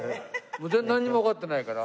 なんにもわかってないから。